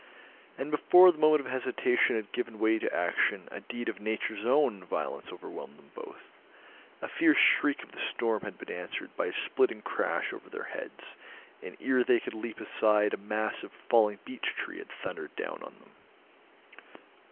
And before the moment of hesitation had given way to action a deed of Nature's own violence overwhelmed them both. A fierce shriek of the storm had been answered by a splitting crash over their heads, and ere they could leap aside a mass of falling beech tree had thundered down on them.